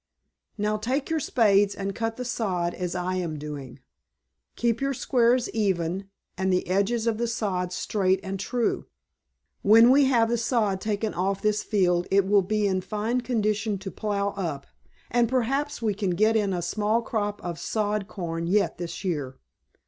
Now take your spades and cut the sod as I am doing. Keep your squares even, and the edges of the sod straight and true. When we have the sod taken off this field it will be in fine condition to plow up, and perhaps we can get in a small crop of sod corn yet this year."